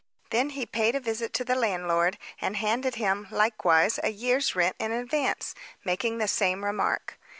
Then he paid a visit to the landlord, and handed him, likewise a year's rent in advance, making the same remark.